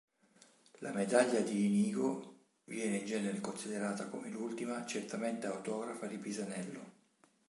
La medaglia di Inigo viene in genere considerata come l'ultima certamente autografa di Pisanello.